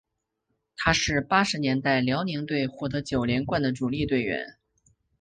他是八十年代辽宁队获得九连冠的主力队员。